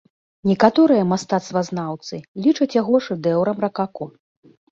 Некаторыя мастацтвазнаўцы лічаць яго шэдэўрам ракако.